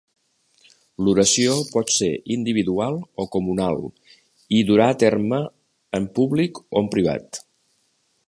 L'oració pot ser individual o comunal i durà a terme en públic o en privat.